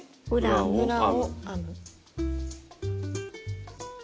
裏を編む。